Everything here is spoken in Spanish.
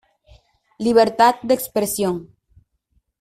Libertad de expresión.